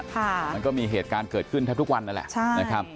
มันก็มีเหตุการณ์เกิดขึ้นแทบทุกวันนั่นแหละนะครับ